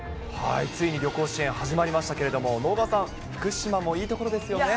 ついに旅行支援、始まりましたけれども、直川さん、福島もいいところですよね。